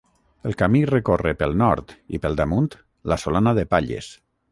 El camí recorre pel nord, i pel damunt, la Solana de Palles.